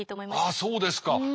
ああそうですか。